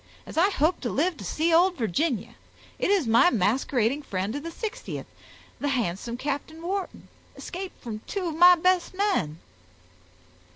As I hope to live to see old Virginia, it is my masquerading friend of the 60th, the handsome Captain Wharton, escaped from two of my best men!"